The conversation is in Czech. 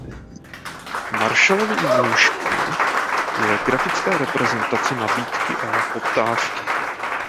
Marshallovy nůžky je grafická reprezentace nabídky a poptávky.